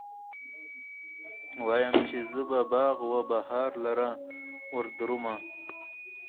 وايم، چې به زه باغ و بهار لره وردرومم